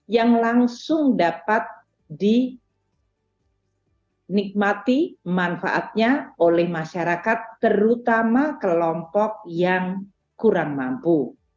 yang langsung dapat dinikmati manfaatnya oleh masyarakat terutama kelompok yang kurang mampu